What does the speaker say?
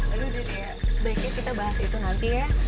aduh ya sebaiknya kita bahas itu nanti ya